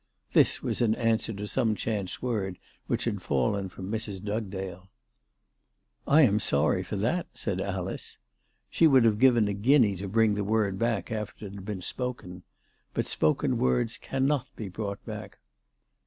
This was in answer to some chance word which had fallen from Mrs. Dugdale. " I am sorry for that," said Alice. She would have given a guinea to bring the word back after it had been spoken. But spoken words cannot be brought back.